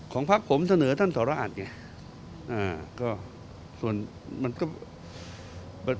ของภาคผมเสนอท่านสราชไง